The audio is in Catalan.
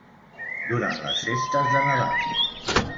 Durant les festes de Nadal.